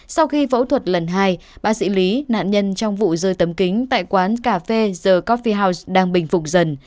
sau khi phẫu thuật lần hai bác sĩ lý nạn nhân trong vụ rơi tấm kính tại quán cà phê giờ coffe house đang bình phục dần